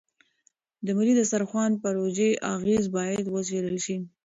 د ملي دسترخوان پروژې اغېز باید وڅېړل شي.